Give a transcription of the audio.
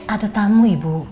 ada tamu ibu